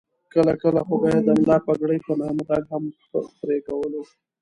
کله کله خو به یې د ملا پګړۍ په نامه غږ هم پرې کولو.